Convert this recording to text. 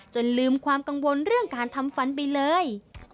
ลืมความกังวลเรื่องการทำฟันไปเลย